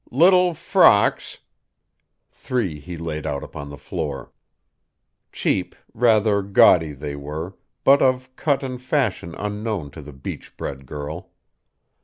"Little frocks " Three he laid out upon the floor. Cheap, rather gaudy they were, but of cut and fashion unknown to the beach bred girl.